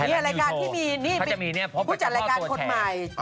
นี่รายการที่พูดจากรายการคนใหม่